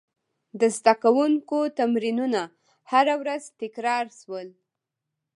د زده کوونکو تمرینونه هره ورځ تکرار شول.